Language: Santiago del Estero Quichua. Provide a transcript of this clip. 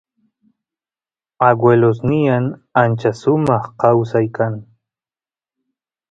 aguelosnyan ancha sumaq kawsay kan